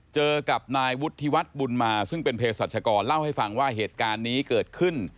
เจอกับนายวุฒิวัฒน์บุญมาซึ่งเป็นเพศรัชกรเล่าให้ฟังว่าเหตุการณ์นี้เกิดขึ้น